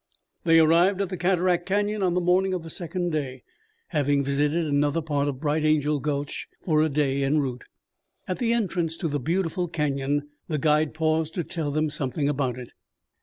They arrived at the Cataract Canyon on the morning of the second day, having visited another part of Bright Angel Gulch for a day en route. At the entrance to the beautiful canyon the guide paused to tell them something about it.